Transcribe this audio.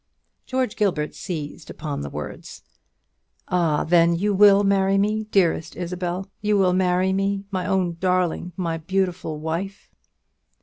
George Gilbert seized upon the words. "Ah, then, you will marry me, dearest Isabel? you will marry me, my own darling, my beautiful wife?"